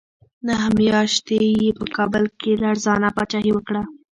نهه میاشتې یې په کابل کې لړزانه پاچاهي وکړه.